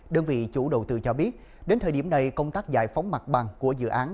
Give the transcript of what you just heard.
đơn vị chủ đầu tư cho biết đến thời điểm này công tác giải phóng mặt bằng của dự án